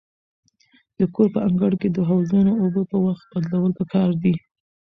د کور په انګړ کې د حوضونو اوبه په وخت بدلول پکار دي.